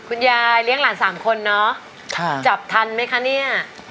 คุณยายเลี้ยงหลานสามคนเนาะค่ะจับทันไหมคะเนี่ย